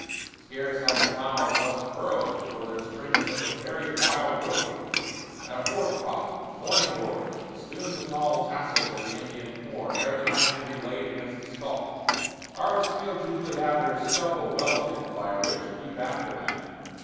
Scarce have the ploughs left the furrows before there springs up a varied wild growth, and a fourth crop, morning glories, festoon the tall tassels of the Indian corn ere the knife can be laid against the stalk. Harvest fields usually have their stubble well hidden by a rich, deep aftermath.